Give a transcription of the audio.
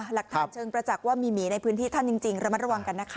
หลักฐานเชิงประจักษ์ว่ามีหมีในพื้นที่ท่านจริงระมัดระวังกันนะคะ